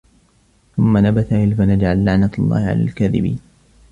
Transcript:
ثُمَّ نَبْتَهِلْ فَنَجْعَلْ لَعْنَةَ اللَّهِ عَلَى الْكَاذِبِينَ